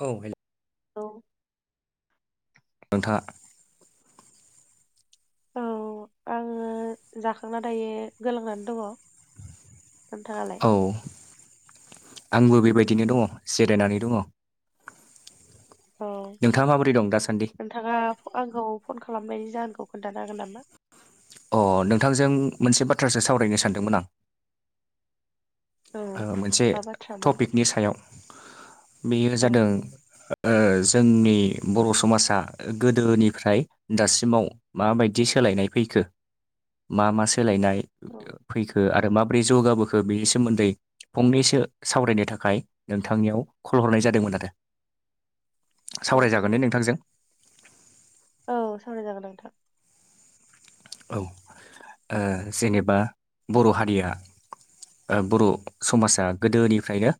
औे बेनो औ नोंथांङा औ आङो जाखांना दायो गोलांनानै दङ नोंथांङाङाल औ आंबो बेबायदिनो दङ जिरायनानै दङ [inaudible] औ नोंथाङा माबोरै दं दासान्दि नोंथाङा आंखौ फन खालामनायनि जाहोनखौ खोन्थानो हागोन नामा अ नोंथांजों मोनसे बाथ्रासो सावरायनो सानदोंमोन आं औ मोनसे मा बाथ्रामोन टपिकनि सायाव बेयो औ जादों औ जोंनि बर' समाजा गोदोनिफ्राय दासिमाव माबायदि सोलायनाय फैखो मा मा सोलायनाय औ फैखो आरो माबोरै जौगाबोखो बेनि सोमोन्दै फंनैसो सावरायनो थाखाय नोंथांनियाव कल हरनाय जादोंमोन आरो औ औ सावरायजागोन ने नोंथांजों औ सावराय जागोन नोंथां औ जेनेबा बर' हारिया बर' समाजा गोदोनिफ्रायनो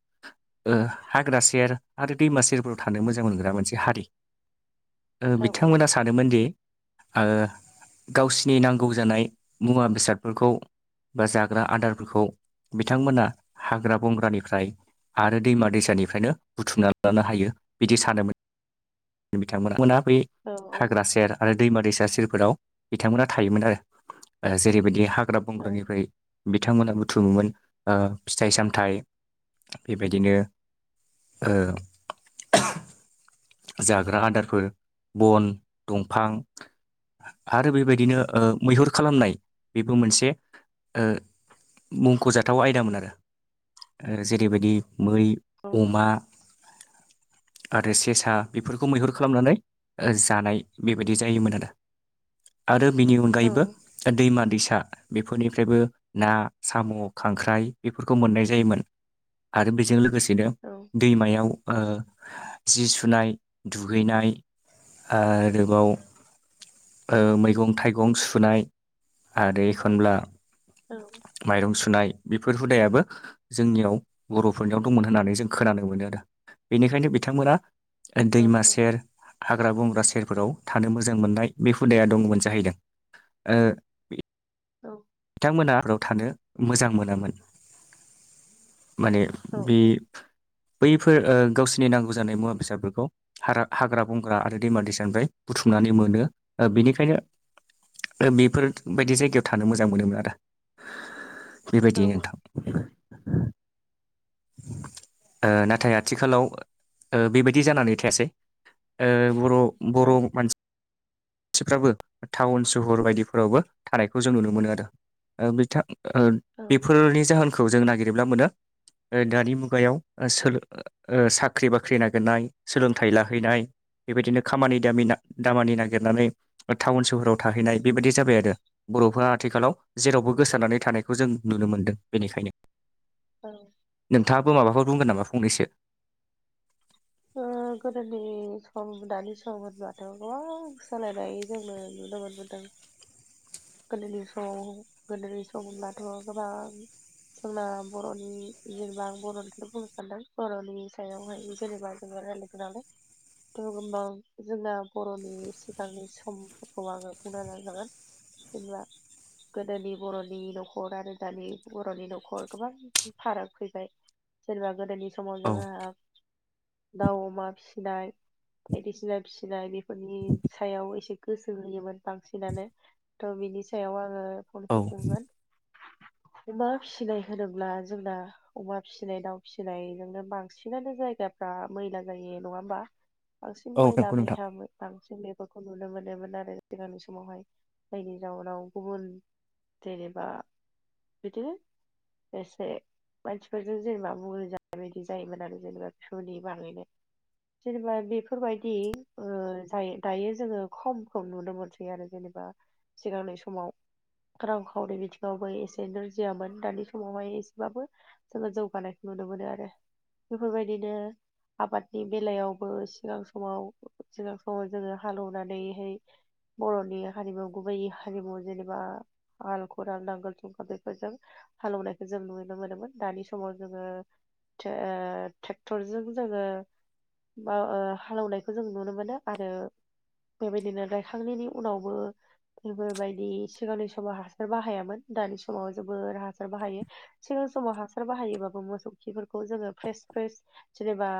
हाग्रा सेर आरो दैमा सेरफोराव थानो मोजां मोनग्रा मोनसे हारि औ औ बिथांमोना सानोन दि गावसिनि नि नांगौ जानाय मुवा बेसादफोरखौ बा जाग्रा आदारफोरखौ बिथांमोना हाग्रा बंग्रानिफ्राय आरो दैमा दैसानिफ्रायनो बुथुमना लानो हायो बिदि सानोमोन बिथांमोना बै औ हाग्रा सेर आरो दैमा दैसा सेरफोराव बिथांमोना थायोमोन आरो जेरैबायदि हाग्रा औ बंग्रानिफ्राय बिथांमोना बुथुमोमोन फिथाइ सामथाइ बेबायदिनो ओ। जाग्रा आदारफोर बन दंफां आरो बेबायदिनो मैहुर खालामनाय बेबो मोनसे मुंख'जाथाव आयदामोन आरो जेरैबायदि मै औ अमा आरो सेसा बेफोरखौ मैहुर खालामनानै जानाय बेबायदि जायोमोन आरो आरो बिनि अनगायैबो दैमा दैसा बेफोरनिफ्रायबो ना साम' खांख्राइ बेफोरखौ मोननाय जायोमोन। आरो बेजों लोगोसेनो औ। दैमायाव जि सुनाय दुगैनाय आरोबाव मैगं थाइगं सुनाय आरो एखनब्ला औ। माइरं सुनाय बेफोर हुदायाबो जोंनियाव बर'फोरनियाव दंमोन होननानै जों खोनानो मोनो आरो बेनिखायनो बिथांमोना दैमा सेर हाग्रा बंग्रा सेरफोराव थानो मोजां मोननाय बे हुदाया दंमोन जाहैदों। औ। बिथांमोना आरोाव थानो मोजां मोनामोन माने बे बैफोर गावसोरनि नांगौ जानाय मुवा बेसाफोरखौ ह हाग्रा बंग्रा आरो दैमा दैसानिफ्राय बुथुमनानै मोनो बेनिखायनो बेफोरबायदि जायगायाव थानो मोजां मोजां मोनोमोन आरो औ बेबायदि नोंथां। नाथाय आथिखालाव बेबायदि जानानै थायासै बर' औ बर' मानसि खाथिफ्राबो टाउन सहर बायदिफोरावबो थानायखौ जों नुनो मोनो आरो बिथां। बेफोरनि जाहोनखौ जों नागिरोब्ला मोनो दानि मुगायाव स साख्रि बाख्रि नागिरनाय सोलोंथाइ लाहैनाय बेबायदिनो खामानि दामि दामानि नागिरनानै टाउन सोहराव थाहैनाय बेबायदि जाबाय आरो बर'फ्रा आथिखालाव जेरावबो गोसारनानै थानायखौ जों नुनो मोनदों बेनिखायनो औ। नोंथाङाबो माबाफोर द बुंगोन नामा फनैसो गोदोनि सम दानि सम होनबाथ' गोबां सोलायनाय जोंनो नुनो मोनबोदों। गोरलैनि सम गोरलैै समब्लाथ' गोबां जोंना बर'नि जेनेबा आं बर'निखौनो बुंनो सानदों बर'नि सायावहाय जेनेबा लोगो नालाय गोबां जोंना बर'नि सिगांनि समफोरखौ आङो बुंनो नाजागोन। जेब्ला गोदोनि बर'नि न'खर आरो दानि बर'नि न'खर गोबां फाराग फैबाय सोरेनोबा गोदोनि समाव औ जोंहा दाउ अमा फिसिनाय बायदिसिना फिसिनाय बेफोरनि सायाव एसे गोसो होयोमोन बांसिनानो थ' बिनि सायाव आङो फन औ सो खुंगोन। अमा फिसिनाय होनोब्ला जोंना अमा फिसिनाय दाउ फिसिनायजोंनो बांसिनानो जायगा। बा मैला जायो नङा होमबा? बांसिन औ मैला नंगौ नोंथां बायथामो। बांसिन बेफोरखौ नुनो मोनोमोन आरो सिगांनि समावहाय जायनि जाउनाव गुबुन देनबा बिदिनो एसे मानसिफोरजों जेनेबा बुं जानाय बायदि जायोमोन आरो जेनेबा सलिबाङैनो जेनेबा बेफोरबायदि जायो दायो जोङो खमखौ नुनो मोनसै आरो जेनेबा सिगांनि समाव रां खावरि बिथिङावबो एसे नोरजियामोन दानि समावहाय एसेबाबो जोङो जौगानायखौ नुनो मोनो आरो बेफोरबायदिनो आबादनि बेलायावबो सिगां समाव सिगां समाव जोङो हालेवनानैहाय बर'नि हारिमु गुबैयै हारिमु जेनेबा हाल खदाल नांगोल जुंगाल बेफोरजों हालेवनायखौ जों नुनो मोनोमोन दानि समाव जोङो ट्रेक्टरजों जोङो हालौनायखौ जों नुनो मोनो आरो बेबायदिनो गायखांनायनि उनावबो बेफोरबायदि सिगांनि समाव हासार बाहायामोन दानि समाव जोबोर हासार बाहायो सिगां समाव हासार बाहायोबाबो मोसौ खिफोरखौ जोङो फ्रेस फ्रेस जेनेबा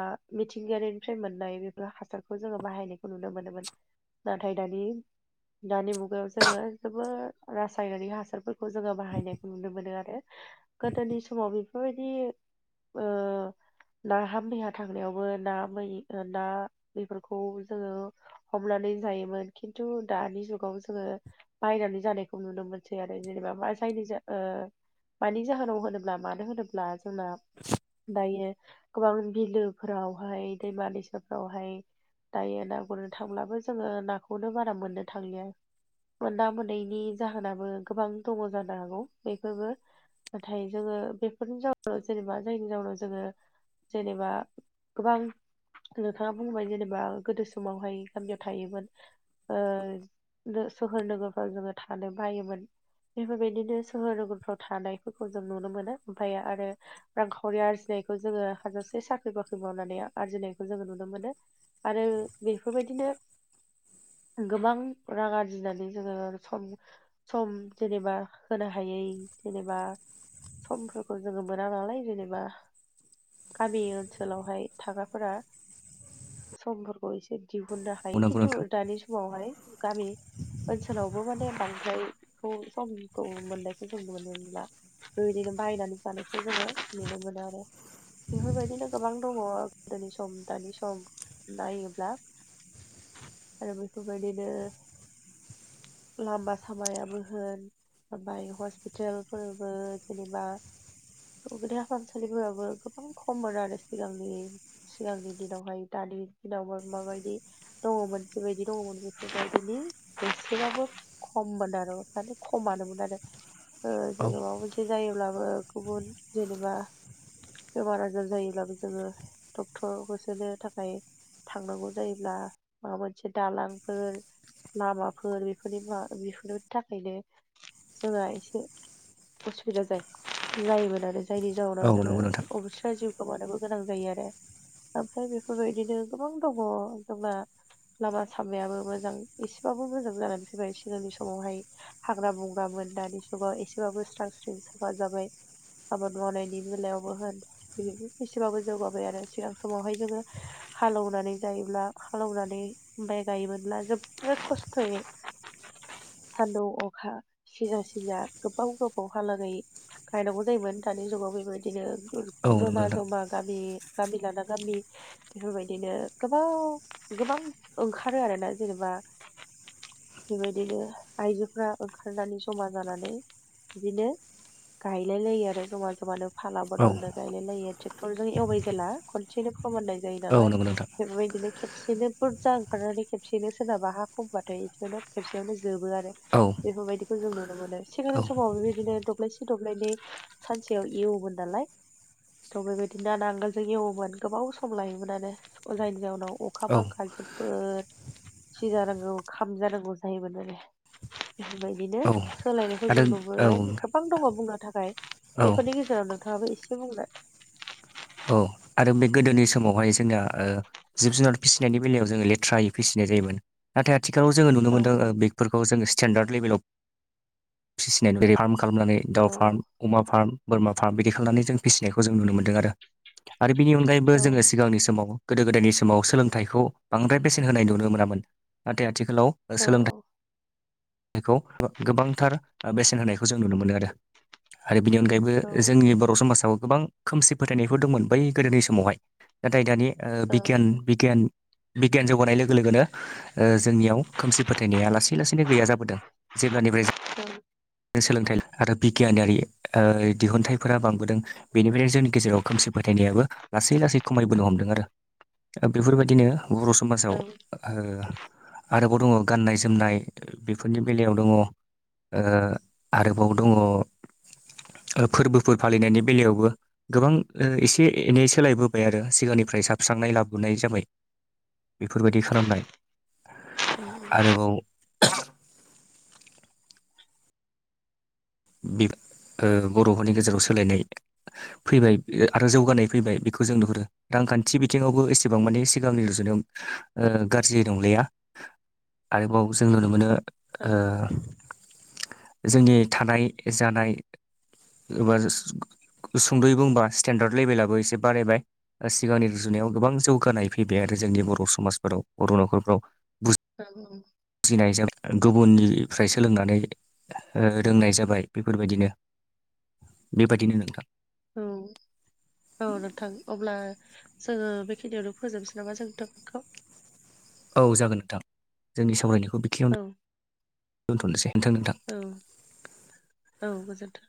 मिथिंगायारिनिफ्राय मोननाय बेफोर हासारखौ जोङो बाहायनायखौ नुनो मोनोमोन नाथाय दानि दानि मुगायाव जोङो जोबोर रासायनारिक हासारफोरखौ जोङो बाहायनायखौ नुनो मोनो आरो गोदोनि समाव बेफोरबायदि ना हा मैहा थांनायावबो ना मै ना बेफोरखौ जोङो हमनानै जायोमोन खिन्थु दानि जुगाव जोङो बायनानै जानायखौ नुनो मोनसै आरो जेनेबा मा जायनि मानि जाहोनाव होनोब्ला मानो होनोब्ला जोंना दायो गोबां बिलोफोरावहाय दैमा-दैसाफोरावहाय दायो ना गुरनो थांब्लाबो जोङो नाखौनो बारा मोननो थांलिया ना मोनैनि जाहोनाबो गोबां दङ जानो हागौ बेफोरबो नाथाय जोङो बेफोरनि जाउनाव जेनेबा जायनि जाउनाव जोङो जेनेबा गोबां नोंथाङा बुंबाय जेनेबा गोदो समावहाय गामियाव थायोमोन सोहोर नोगोरफ्राव जोङो थानो बायोमोन बेफोरबायदिनो सोहोर नोगोरफ्राव थानायफोरखौ जों नुनो मोनो ओमफ्राय आरो रांखावरि आरजिनायखौ जोङो हाजासे साख्रि बाख्रि मावनानै आरजिनायखौ जोङो नुनो मोनो आरो बेफोरबायदिनो गोबां रां आरजिनानै जोङो सम सम जेनेबा होनो हायै जेनेबा समफोरखौ जोङो मोना नालाय जेनेबा गामि ओनसोलावहाय थाग्राफोरा समफोरखौ एसे दिहुननो औ हायो नंगौ खिन्थु नोंथां दानि समावहाय गामि ओनसोलावबो माने बांद्रायखौ समखौ मोननायखौ जों नुनो मोनला ओरैनो बायनानै जानायखौ जोङो नुनो मोनो आरो बेफोरबायदिनो गोबां दङ गोदोनि सम दानि सम नायोब्ला आरो बेफोरबायदिनो लामा सामायाबो होन ओमफाय हस्पितेलफोरबो जेनेबा [unintelligible] देहा फाहामसालिफोराबो गोबां खममोन आरो सिगांनि सिगांनि दिनावहाय दानि दिनाव माबायदि दङमोन जि बायदि दङमोन बेफोरबादिनो एसेबाबो खममोन आरो माने खमानोमोन आरो औ जोङो माबा मोनसे जायोब्लाबो गुबुन जेनेबा बेमार आजार जायोब्लाबो जोङो डक्टर होसोनो थाखाय थांनांगौ जायोब्ला माबा मोनसे दालांफोर लामाफोर बेफोरनि मा बेफोरनि थाखायनो जोंहा एसे उसुबिदा जायो जायोमोन आरो जायनि औ जाउनाव जोङो। नंगौ नोंथां अबेस्रा जिउ गोमानोबो गोनां जायो आरो ओमफ्राय बेफोरबायदिनो गोबां दङ जोंना। लामा सामायाबो मोजां एसेबाबो मोजां जानानै फैबाय सिगांनि समावहाय हाग्रा बंग्रामोन दानि जुगाव एसेबाबो स्रां स्रिं साफा जाबाय। आबाद मावनायनि बेलायावबो होन बिनो एसेबाबो जौगाबाय आरो सिगां समावहाय जोङो। हाले एवनानै जायोब्ला हालौ एवनानै माइ गायोमोनब्ला जोबोद खस्थ'यै सानदुं अखा सिजा सिजा गोबाव गोबावहालागै। गायनांगौ जायोमोन दानि जुगाव बेबायदिनो औ नंगौ जमा नोंथां जमा गामि। गामि लाना गामि। बेफोरबायदिनो गोबाव गोबां ओंखारो आरोना जेनेबा बेबायदिनो आइजोफ ओंखारनानै जमा जानानै बिदिनो गायलाय लायो आरो जमा जमानो फाला औ बदलद गायलायलायो ट्रेक्टरजों एवबाय जेला खनसेनो फोमोन जायो औ नालाय नंगौ नोंथां बेफोरबायदिनोे खेबसेनो बुरजा ओंखारनानै खेबसेनो सोरनाबा हा खमबाथाय एसेयावनो खेबसेयावनो जोबो आरो औ बेफोरबायदिखौ जों नुनो मोनो सिगांनि औ समाव बेबायदिनो दब्लायसे दब्लायनै सानसेयाव एव वोमोन नालाय थ' बेबायदिनो नांगोलजों एवोमोन गोबाव सम लायोमोनानो जायनि जाहोनाव अखा औ बांखा जोबोद सि जानांगौ खाम जानांगौ जायोमोन आरो बेफोरबायदिनो औ सोलायनायखौ आरो जों नुबोाय औ गोबां दङ बुंनो थाखाय औ बेफोरनि गेजेरावनो नोंथाङाबो एसे बुंलाय औ आरो बे गोदोनि समावहाय जोंना जिब जुनार फिसिनायनि बेलायाव जोङो लेथ्रायै फिसिनाय जायोमोन नाथाय आथिखालाव जोङो नुनो औ मोनदों औ फोरखौ जोङो स्टेेनडार्द लेभेलाव फिसिनानै बेै फार्म खालामनानै औ दाउ फार्म अमा फार्म बोरमा फार्म बिदि खालामनानै जों फिसिनायखौ जों नुनो मोनदों आरो आरो बिनि अनगायैबो जोङो सिगांनि समाव गोदो गोदायनि समाव सोलोंथाइखौ बांद्राय बेसेन होनाय नुनो मोनामोन नाथाय आथिखालाव औ सोलोंथाइ खौ गोबांथार बेसेन होनायखौ जों नुनो मोनो आरो आरो बिनि अनगायैबो औ जोंनि बर' समाजाव गोबां खोमसि फोथायनायफोर दंमोन बै गोदोनि समावहाय नाथाय दानि औ बिगियान बिगियान बिगियान जौगानाय लोगो लोगोनो ओ जोंनियाव खोमसि फोथायनाया लासै लासैनो गैया जाबोदों जेब्लानिफ्राय सोलोंथाइ आरो बिगियानारि दिहुनथाइफोरा बांबोदों बेनिफ्रायनो जोंनि गेजेराव खोमसि फोथायनायाबो लासै लासै खमायबोनो हमदों आरो दा बेफोरबायदिनो बर' समाजाव औ आरोबाव दङ गाननाय जोमनाय बेफोरनि बेलायाव दङ ओ आरोबाव दङ ओ फोरबोफोर फालिनायनि बेलायावबो गोबां एसे एनै सोलायबोबाय आरो सिगांनिफ्राय साबस्रांनाय लाबोनाय जाबाय बेफोरबायदि खालामनाय [inaudible] गोबाव बर' फोरनि गेजेराव सोलायनाय फैबाय आरो जौगानाय फैबाय बेखौ जों नुहुरो रांखान्थि बिथिङावबो एसेबां मानि सिगांनि रुजुनायाव गाज्रि नंलिया आरोबाव जों नुनो मोनो जोंनि थानाय जानाय एबा [unintelligible] सुंदयै बुंबा स्टेेनडार्द लेभेलाबो एसे बारायबाय सिगांनि रुजुनायाव गोबां जौगानाय फैबाय आरो जोंनि बर' समाजफोराव बर' न'खरफ्राव मा बुङो बुजिनायजों गुबुननिफ्राय सोलोंनानै ओ रोंनाय जाबाय बेफोरबायदिनो बेबायदिनो नोंथां। उम औ नोंथां अब्ला जोङो बेखिनियावनो फोजोबनोसै नामा जोंनि टपिकखौ? औ जागोन नोंथां जोंनि सावरायनायखौ बेखियावनो औ दोन्थ'नोसै नोंथां नोंथां उम औ गोजोनथों